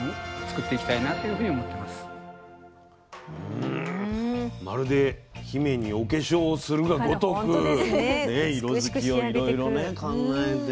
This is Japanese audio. うんまるで姫にお化粧をするがごとく色づきをいろいろ考えて。